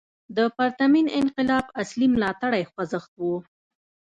د پرتمین انقلاب اصلي ملاتړی خوځښت و.